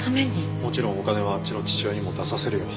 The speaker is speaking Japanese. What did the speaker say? もちろんお金はあっちの父親にも出させるよ。